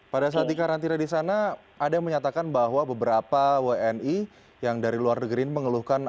pada saat dikarantina di sana ada yang menyatakan bahwa beberapa wni yang dari luar negeri ini mengeluhkan